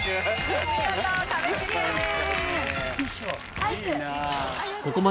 見事壁クリアです。